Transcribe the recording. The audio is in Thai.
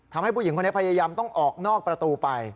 ผู้หญิงคนนี้พยายามต้องออกนอกประตูไป